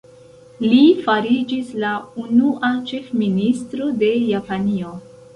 Li fariĝis la unua Ĉefministro de Japanio.